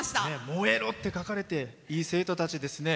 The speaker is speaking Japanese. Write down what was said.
「もえろ！」って書かれていい生徒さんたちですね。